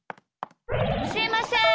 すいません！